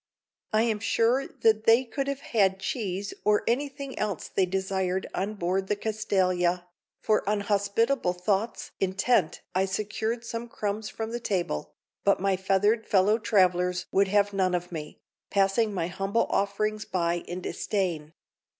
I am sure that they could have had cheese or anything else they desired on board the Castalia, for on hospitable thoughts intent I secured some crumbs from the table, but my feathered fellow travelers would have none of me, passing my humble offerings by in disdain.